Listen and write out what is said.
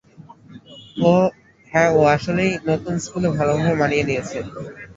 হ্যাঁ, ও আসলেই নতুন স্কুলে ভালোভাবে মানিয়ে নিয়েছে।